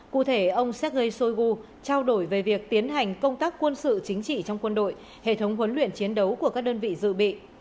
cụ thể ông sergei shoigu trao đổi về việc tiến hành công tác quân sự chính trị trong quân đội hệ thống huấn luyện chiến đấu của các đơn vị dự bị